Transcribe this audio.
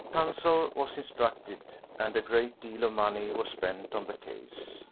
Counsel was instructed, and a great deal of money was spent on the case.